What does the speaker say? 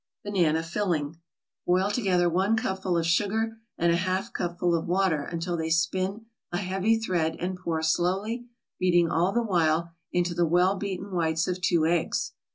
BANANA FILLING Boil together one cupful of sugar and a half cupful of water until they spin a heavy thread, and pour slowly, beating all the while, into the well beaten whites of two eggs.